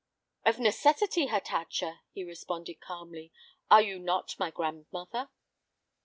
"Of necessity, Hatatcha," he responded, calmly. "Are you not my grandmother?"